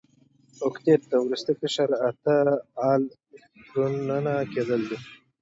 اوکتیت د وروستي قشر اته ال الکترونه کیدل دي.